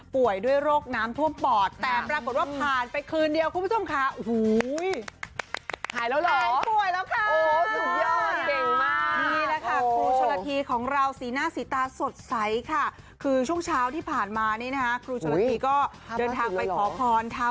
ด้วยโรคน้ำท่วมปอดแต่ปรากฏว่าผ่านไปคืนเดียวคุณผู้ชมค่ะ